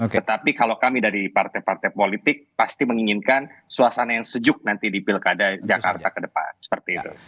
tetapi kalau kami dari partai partai politik pasti menginginkan suasana yang sejuk nanti di pilkada jakarta ke depan seperti itu